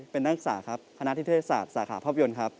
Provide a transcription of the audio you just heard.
เป็นนักศึกษาครับพนักอิทธิเทศศาสตร์สหภพยนต์ครับ